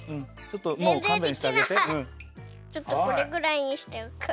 ちょっとこれぐらいにしておく。